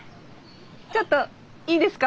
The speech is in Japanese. ちょっといいですか？